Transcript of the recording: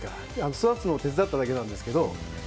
育つのを手伝っただけなんですけど。